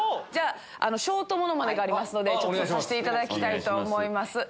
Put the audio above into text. ショートモノマネがありますのでさしていただきたいと思います。